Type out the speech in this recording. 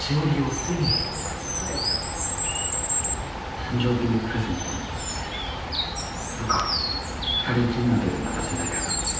誕生日プレゼントなんだけどどっか二人きりの時に渡せないかなって考えてて。